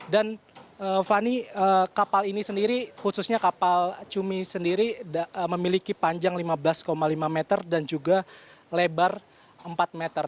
dan vani kapal ini sendiri khususnya kapal cumi sendiri memiliki panjang lima belas lima meter dan juga lebar empat meter